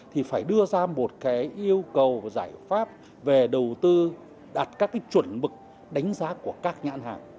thì phải đưa ra một yêu cầu và giải pháp về đầu tư đặt các chuẩn mực đánh giá của các nhãn hàng